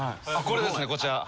これですねこちら。